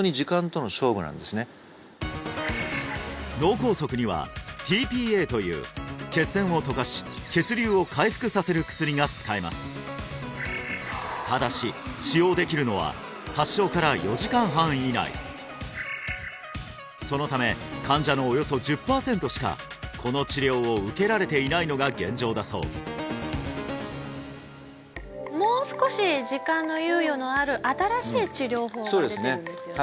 脳梗塞にはｔＰＡという血栓を溶かし血流を回復させる薬が使えますただし使用できるのは発症から４時間半以内そのため患者のおよそ１０パーセントしかこの治療を受けられていないのが現状だそうもう少し時間の猶予のある新しい治療法が出てるんですよね